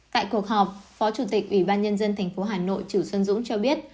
tại cuộc họp phó chủ tịch ubnd tp hà nội trữ xuân dũng cho biết